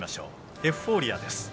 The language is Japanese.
エフフォーリアです。